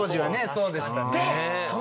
そうでした。